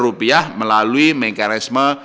rupiah melalui mekanisme